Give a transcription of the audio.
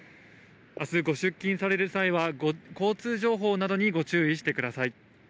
あすご出勤される際は、交通情報などにご注意してください。